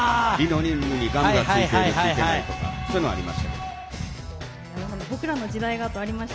ガムがついてる、ついてないとかそういうのがありました。